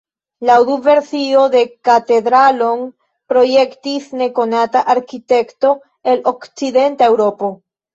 Laŭ dua versio la katedralon projektis nekonata arkitekto el Okcidenta Eŭropo.